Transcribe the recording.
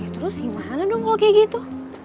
terus gimana dong kalau kayak gitu